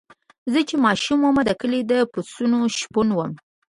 زه چې ماشوم وم د کلي د پسونو شپون وم.